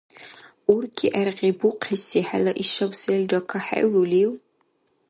УркӀи гӀергъибухъеси хӀела ишаб селра кахӀевлулив?